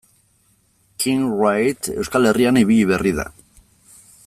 Kim Wright Euskal Herrian ibili berri da.